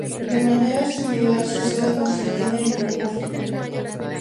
De manera similar sucede en Argentina y Uruguay.